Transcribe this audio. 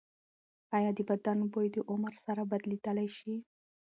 ایا د بدن بوی د عمر سره بدلیدلی شي؟